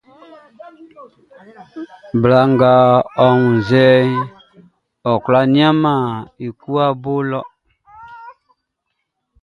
Bla ngʼɔ wunnzɛʼn, ɔ kwlá nianmɛn i kuanʼn i bo lɔ.